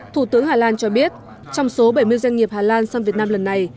thủ tướng hà lan cho biết trong số bảy mươi doanh nghiệp hà lan sang việt nam lần này